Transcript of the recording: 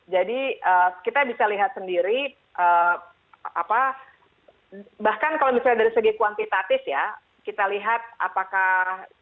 jadi kita bisa lihat sendiri bahkan kalau misalnya dari segi kuantitatif ya kita lihat apakah